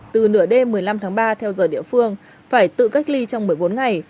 từ nửa đêm một mươi năm tháng ba theo giờ địa phương phải tự cách ly trong một mươi bốn ngày